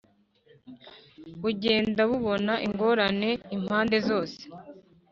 bugenda bubona ingorane impande zose.